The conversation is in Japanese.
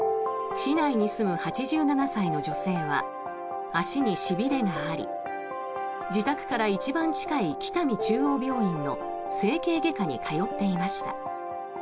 市内に住む８７歳の女性は足にしびれがあり自宅から一番近い北見中央病院の整形外科に通っていました。